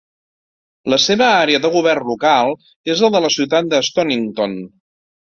La seva àrea de govern local és la de la ciutat de Stonnington.